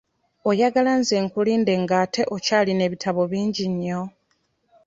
Oyagala nze nkulinde nga ate okyalina ebitabo bingi nnyo?